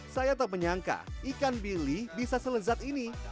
saya tak menyangka ikan bilik bisa selesat ini